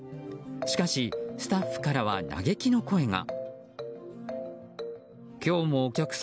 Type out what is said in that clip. しかし、スタッフからは嘆きの声が。